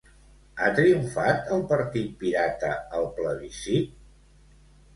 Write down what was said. Ha triomfat el Partit Pirata al plebiscit?